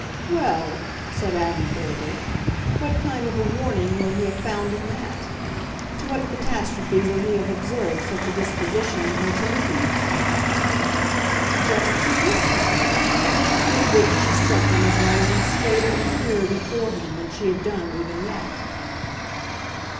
"Well," said Adam Verver, "what kind of a warning will he have found in that? To what catastrophe will he have observed such a disposition in her to lead?" "Just to THIS one!" With which she struck him as rising straighter and clearer before him than she had done even yet.